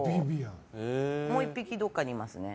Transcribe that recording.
もう１匹どこかにいますね。